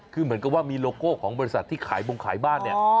คือเหมือนกับว่ามีโลโก้ของบริษัทที่ขายบงขายบ้านเนี่ย